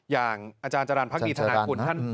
อย่างอาจารย์จรรย์พักดีทนายกุลท่าน